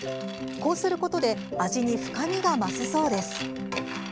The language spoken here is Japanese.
こうすることで味に深みが増すそうです。